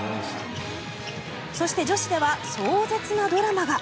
そして女子では壮絶なドラマが。